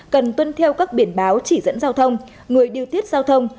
cần tuân theo các biển báo chỉ dẫn giao thông người điều tiết giao thông